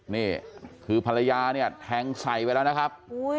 นี่คือภรรยาเนี่ยแทงใส่ไปแล้วนะครับ